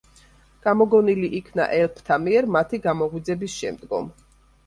გამოგონილი იქნა ელფთა მიერ მათი გამოღვიძების შემდგომ.